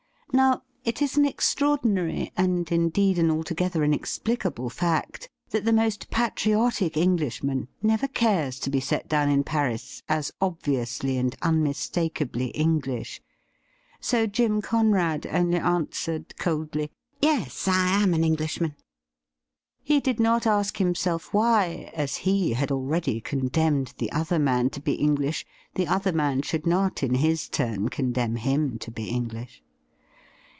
Now, it is an extraordinary, and, indeed, an altogether inexplicable, fact that the most patriotic Englishman never cares to be set down in Paris as obviously and unmistakably English. So Jim Conrad only answered coldly :' Yes, I am an Englishman.' He did not ask himself why, as he had already condemned the other man to be English, the other man should not in his turn condemn him to be English.